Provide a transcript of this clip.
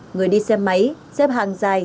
người đi xe máy xếp hàng dài